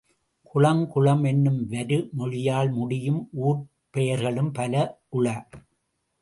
குளம் குளம் என்னும் வருமொழியால் முடியும் ஊர்ப் பெயர்களும் பல உள.